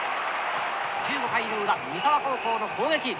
１５回の裏三沢高校の攻撃。